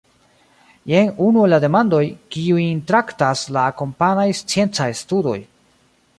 Jen unu el la demandoj, kiujn traktas la akompanaj sciencaj studoj.